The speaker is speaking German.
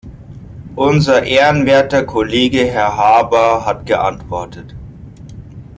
Unser ehrenwerter Kollege Herr Harbour hat geantwortet.